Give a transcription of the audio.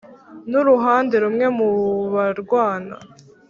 n uruhande rumwe mu barwana